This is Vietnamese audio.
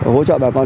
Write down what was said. hỗ trợ bà con